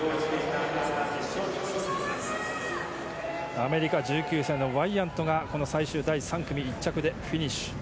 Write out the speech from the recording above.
アメリカ１９歳のワイヤントがこの最終第３組１着でフィニッシュ。